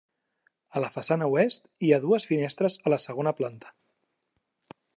A la façana oest, hi ha dues finestres a la segona planta.